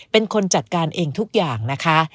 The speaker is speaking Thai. เป็นคนจัดการเองทุกอย่างนะคะ